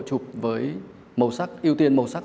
chụp với màu sắc ưu tiên màu sắc